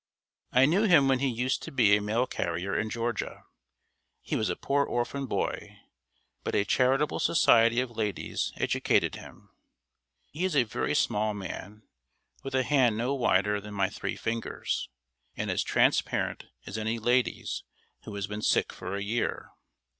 I knew him when he used to be a mail carrier in Georgia. He was a poor orphan boy, but a charitable society of ladies educated him. He is a very small man, with a hand no wider than my three fingers, and as transparent as any lady's who has been sick for a year.